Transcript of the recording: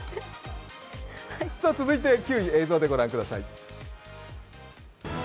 続いて９位、映像でご覧ください。